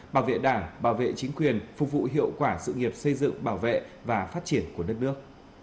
bảo vệ đảng bảo vệ chính quyền phục vụ hiệu quả sự nghiệp xây dựng bảo vệ và phát triển của đất nước